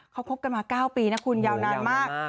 เขาคบกันมา๙ปีนะคุณยาวนานมาก